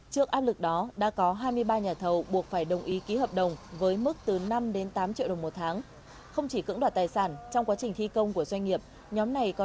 trước áp lực đó đã có hai mươi ba nhà thầu buộc phải đồng ý ký hợp đồng với mức từ năm đến tám triệu đồng một tháng